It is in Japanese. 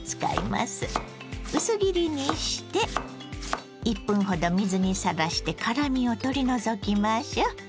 薄切りにして１分ほど水にさらして辛みを取り除きましょう。